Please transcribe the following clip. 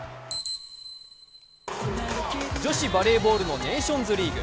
女子バレーボールのネーションズリーグ。